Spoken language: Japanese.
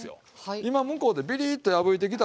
今向こうでビリッと破いてきたところ。